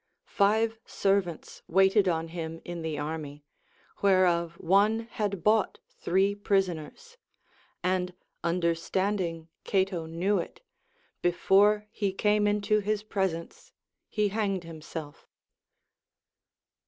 Five servants waited on him in the army, whereof one had bought three prisoners ; and understanding Cato knew it, before he came into his pres ence he hanged himself.